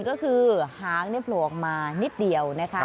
ก็คือหางโผล่ออกมานิดเดียวนะคะ